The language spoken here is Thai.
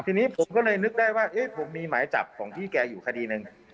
ทีนี้ผมก็เลยนึกได้ว่าผมมีหมายจับของพี่แกอยู่คดีหนึ่ง